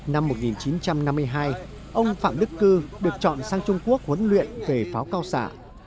năm một nghìn chín trăm năm mươi hai ông phạm đức cư được chọn sang trung quốc huấn luyện về pháo cao xạ